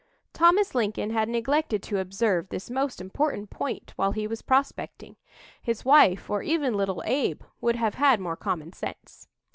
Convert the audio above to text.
Thomas Lincoln had neglected to observe this most important point while he was prospecting. His wife, or even little Abe, would have had more common sense.